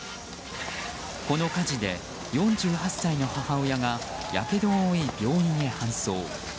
この火事で４８歳の母親がやけどを負い、病院へ搬送。